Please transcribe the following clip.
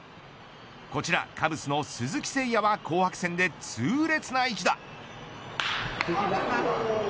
こちらカブスの鈴木誠也は紅白戦で痛烈な一打。